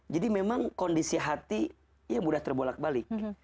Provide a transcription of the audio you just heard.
jadi memang kondisi hati ya mudah terbolak balik